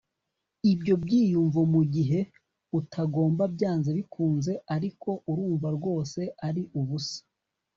ibyo byiyumvo mugihe utagomba byanze bikunze, ariko urumva rwose ari ubusa